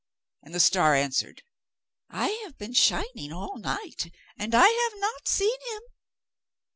And the star answered: 'I have been shining all night, and I have not seen him.